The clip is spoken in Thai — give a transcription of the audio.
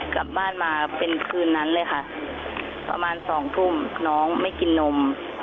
กลับบ้านมาเป็นคืนนั้นเลยค่ะประมาณสองทุ่มน้องไม่กินนม